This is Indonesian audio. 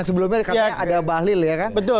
sebelumnya katanya ada bahlil ya kan